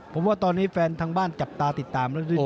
ผมว่าตอนนี้แฟนทางบ้านจับตาติดตาม